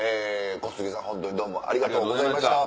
小杉さんどうもありがとうございました。